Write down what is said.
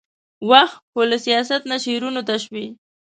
واه ! هو له سياست نه شعرونو ته شوې ،